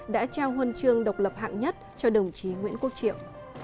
đã trao huân chương độc lập hạng nhất cho đồng chí nguyễn quốc triệu